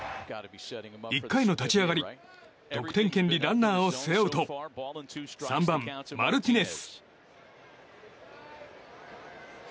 １回の立ち上がり得点圏にランナーを背負うと３番、マルティネス。